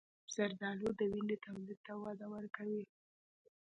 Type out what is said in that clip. زردآلو د وینې تولید ته وده ورکوي.